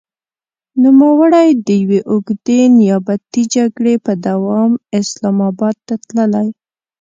نوموړی د يوې اوږدې نيابتي جګړې په دوام اسلام اباد ته تللی.